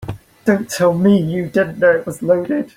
Don't tell me you didn't know it was loaded.